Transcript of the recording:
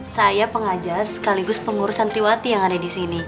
saya pengajar sekaligus pengurusan triwati yang ada disini